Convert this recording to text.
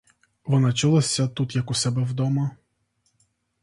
Вона чулася тут як у себе дома.